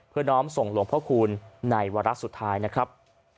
เพื่อน้องส่งหลวงพระคุณในวัลลักษณ์สุดท้ายนะครับ